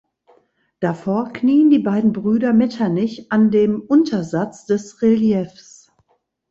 Davor knien die beiden Brüder Metternich an dem Untersatz des Reliefs.